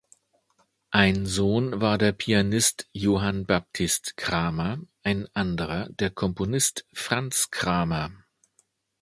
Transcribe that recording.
Ein Sohn war der Pianist Johann Baptist Cramer, ein anderer der Komponist Franz Cramer.